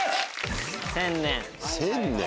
１０００年？